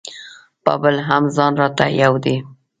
په بل هم ځان راته یو دی.